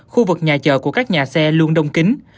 khu vực nhà chờ của các nhà xe luôn đông kính